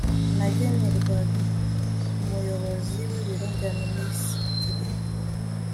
ntagenerwa Umuyobozi w Ibiro bya Minisitiri